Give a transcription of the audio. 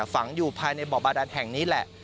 ฝังอยู่ภายในบ่อบาดันแห่งนี้แหละ